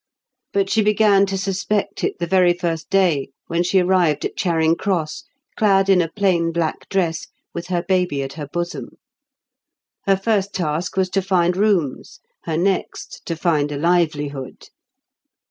But she began to suspect it the very first day when she arrived at Charing Cross, clad in a plain black dress, with her baby at her bosom. Her first task was to find rooms; her next to find a livelihood.